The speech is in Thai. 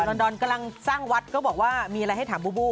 อนดอนกำลังสร้างวัดก็บอกว่ามีอะไรให้ถามบูบู